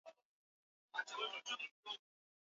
Tezi au limfu kufura na zenye maumivu hasa pembeni mwa ufizi